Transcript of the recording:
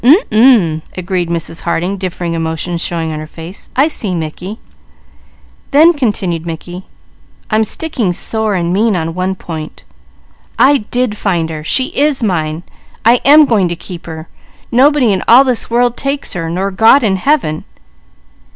"Um m uh!" agreed Mrs. Harding, differing emotions showing on her face. "I see, Mickey." "Then," continued Mickey, "I'm sticking sore and mean on one point. I did find her! She is mine! I am going to keep her! Nobody in all this world takes her, nor God in Heaven!"